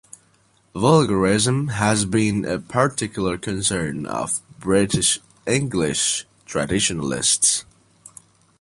Vulgarism has been a particular concern of British English traditionalists.